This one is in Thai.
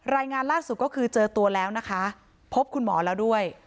รายงานล่าสุดก็คือเจอตัวแล้วนะคะพบคุณหมอแล้วด้วย